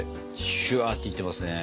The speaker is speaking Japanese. シュワっていってますね。